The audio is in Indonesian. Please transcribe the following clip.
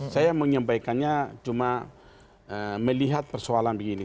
saya menyampaikannya cuma melihat persoalan begini